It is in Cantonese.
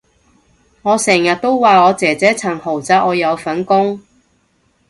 我成日都話我姐姐層豪宅我有份供